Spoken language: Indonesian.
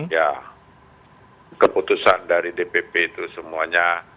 ya keputusan dari dpp itu semuanya